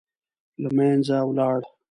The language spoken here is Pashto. له منځه ولاړ.